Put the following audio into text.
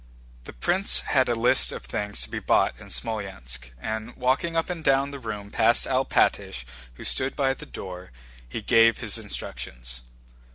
The prince had a list of things to be bought in Smolénsk and, walking up and down the room past Alpátych who stood by the door, he gave his instructions.